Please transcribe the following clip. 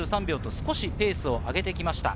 少しペースを上げてきました。